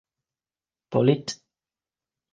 Polit.